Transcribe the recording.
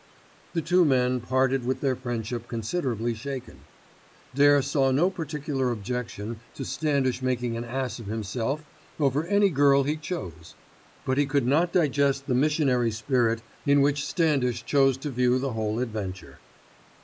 The two men parted with their friendship considerably shaken. Dare saw no particular objection to Standish making an ass of himself over any girl he chose; but he could not digest the missionary spirit in which Standish chose to view the whole adventure.